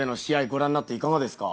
ご覧になっていかがですか？